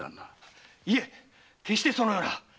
いえ決してそのような。